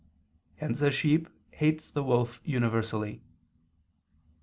Hence a sheep hates the wolf universally.